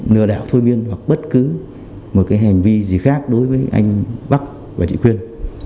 lừa đảo thôi miên hoặc bất cứ một hành vi gì khác đối với anh bắc và chị quyên